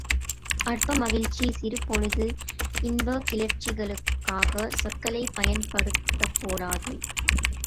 அற்ப மகிழ்ச்சி, சிறுபொழுது இன்பக் கிளர்ச்சிகளுக்காகச் சொற்களைப் பயன்படுத்தக்கூடாது.